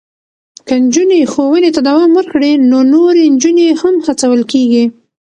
که نجونې ښوونې ته دوام ورکړي، نو نورې نجونې هم هڅول کېږي.